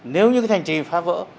nếu như thành trì phá vỡ